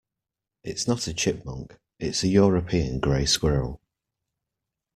It's not a chipmunk: it's a European grey squirrel.